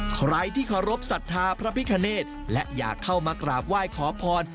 ใครที่ขอรบศัฒนาพระพิคเนตรและอยากเข้ามากราบว่ายขอพร